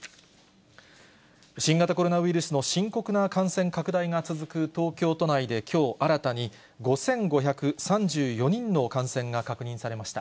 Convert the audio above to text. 新型コロナウイルスの深刻な感染拡大が続く東京都内で、きょう新たに５５３４人の感染が確認されました。